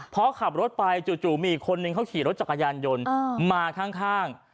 พอขับรถไปจู่มีอีกคนนึงเขาขี่รถจักรยานยนต์มาข้าง